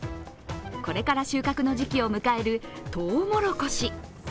これから収穫の時期を迎えるとうもろこし。